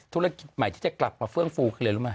ธุรกิจใหม่ที่จะกลับมาเฟื่องฟูเลนรู้มั้ย